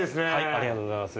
ありがとうございます。